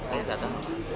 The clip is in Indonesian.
dia yang bawa